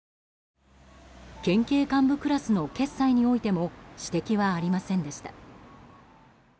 県警幹部クラスの決裁においても指摘はありませんでした。